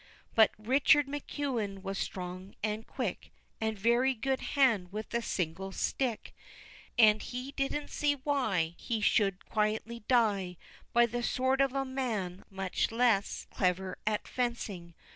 But Richard McEwen was strong and quick, And a very good hand with the single stick, And he didn't see why He should quietly die By the sword of a man, much less clever at fencing.